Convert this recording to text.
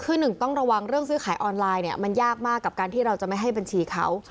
คือหนึ่งต้องระวังเรื่องซื้อขายออนไลน์เนี่ยมันยากมากกับการที่เราจะไม่ให้บัญชีเขา